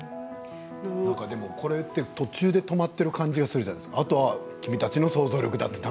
これって途中から止まっている感じがするじゃないですか、あとは君たちの創造力だとそうかな？